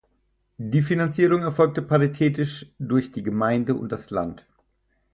Die Finanzierung erfolgte paritätisch durch die Gemeinde und das Land.